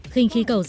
khinh khí cầu butz